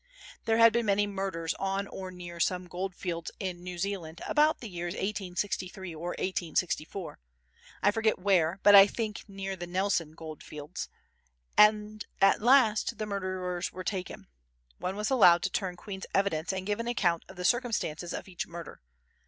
There had been many murders on or near some gold fields in New Zealand about the years 1863 or 1864, I forget where but I think near the Nelson gold fields, and at last the murderers were taken. One was allowed to turn Queen's evidence and gave an account of the circumstances of each murder.